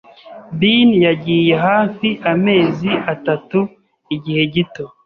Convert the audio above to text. Been yagiye hafi amezi atatu, igihe gito